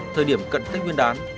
thời điểm cận tết nguyên đán